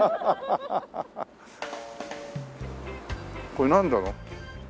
これなんだろう。